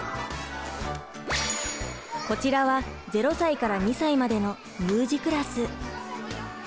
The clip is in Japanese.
こちらは０歳から２歳までの乳児クラス。